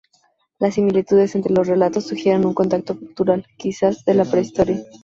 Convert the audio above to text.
Las similitudes entre los relatos sugieren un contacto cultural, quizá desde la prehistoria.